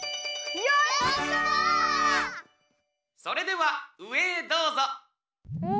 それではうえへどうぞ！